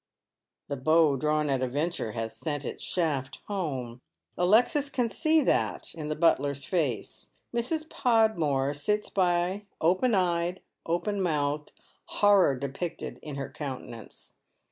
The bow drawn at a venture has sent its shaft home. Alexia can see that in the butler's face. Mrs. Podmore sits by open eyed, open mouthed, hon'or depicted in her countenance.